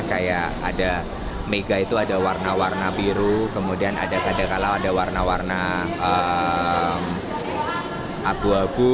kayak ada mega itu ada warna warna biru kemudian ada kadangkala ada warna warna abu abu